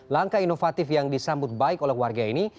langkah inovatif yang disambut baik oleh warga ini